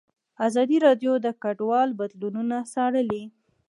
ازادي راډیو د کډوال بدلونونه څارلي.